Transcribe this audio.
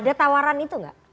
ada tawaran itu gak